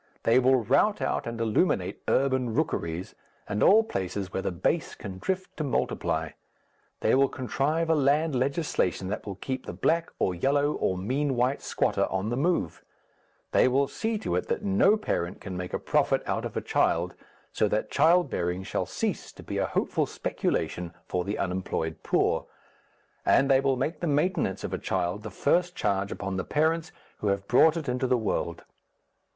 They will rout out and illuminate urban rookeries and all places where the base can drift to multiply; they will contrive a land legislation that will keep the black, or yellow, or mean white squatter on the move; they will see to it that no parent can make a profit out of a child, so that childbearing shall cease to be a hopeful speculation for the unemployed poor; and they will make the maintenance of a child the first charge upon the parents who have brought it into the world.